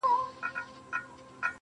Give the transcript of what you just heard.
لـه ژړا دي خداى را وساته جانـانـه.